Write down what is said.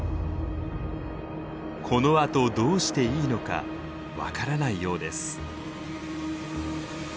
このあとどうしていいのか分からないようです。